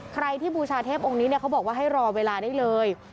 ใครที่บูชาเทพองค์นี้เขาบอกว่าให้รอเวลาได้เลย